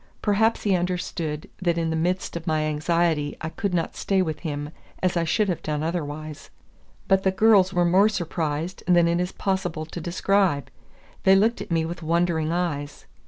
Perhaps he understood that in the midst of my anxiety I could not stay with him as I should have done otherwise. But the girls were more surprised than it is possible to describe. They looked at me with wondering eyes.